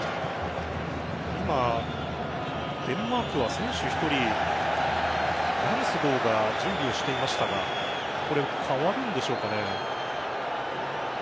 今、デンマークは選手１人ダムスゴーが準備をしていましたが代わるんでしょうかね。